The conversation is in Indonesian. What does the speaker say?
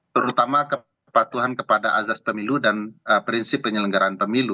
terutama kepatuhan kepada azas pemilu dan prinsip penyelenggaraan pemilu